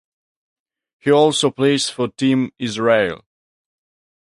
He also plays for Team Israel.